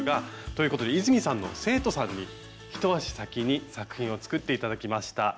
ということで泉さんの生徒さんに一足先に作品を作って頂きました。